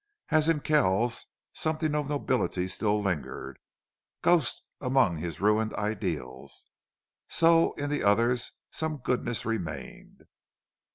As in Kells something of nobility still lingered, a ghost among his ruined ideals, so in the others some goodness remained.